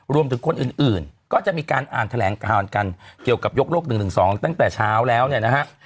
รวมถึงคนอื่นก็จะมีการอ่านแถลงการกันเกี่ยวกับยกเลิก๑๑๒ตั้งแต่เช้าแล้วเนี่ยนะฮะ